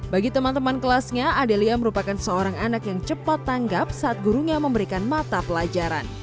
bagi teman teman kelasnya adelia merupakan seorang anak yang cepat tanggap saat gurunya memberikan mata pelajaran